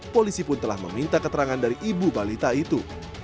polisi pun telah meminta keterangan dari ibu balita itu